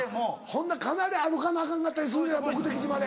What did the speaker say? ほなかなり歩かなアカンかったりするんや目的地まで。